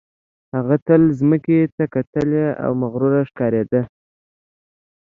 هغه تل ځمکې ته کتلې او مغروره ښکارېده